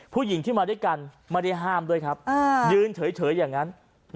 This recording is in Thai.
ผู้หญิงที่มาด้วยกันไม่ได้ห้ามด้วยครับยืนเฉยอย่างนั้น